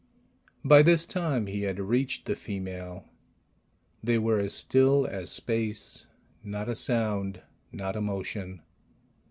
By this time he had reached the female. They were as still as space, not a sound, not a motion.